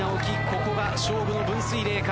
ここが勝負の分水嶺か？